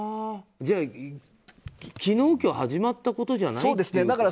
じゃあ昨日、今日に始まったことじゃないんだ。